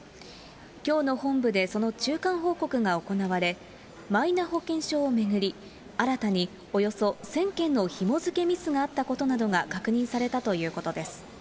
きょうの本部で、その中間報告が行われ、マイナ保険証を巡り、新たにおよそ１０００件のひも付けミスがあったことなどが確認されたということです。